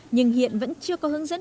nhưng hiện vẫn chưa có hướng dẫn